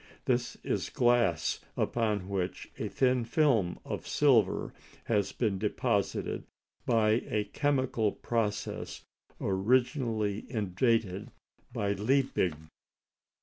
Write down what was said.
This is glass upon which a thin film of silver has been deposited by a chemical process originally invented by Liebig.